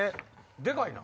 でかいな。